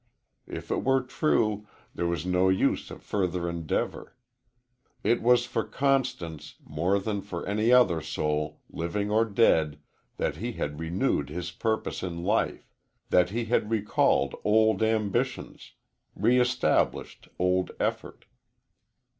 If it were true, there was no use of further endeavor. It was for Constance, more than for any other soul, living or dead, that he had renewed his purpose in life, that he had recalled old ambitions, re established old effort.